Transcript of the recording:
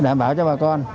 đảm bảo cho bà con